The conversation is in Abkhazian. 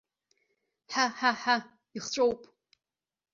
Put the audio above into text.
Ҳа, ҳа, ҳа, ихҵәоуп!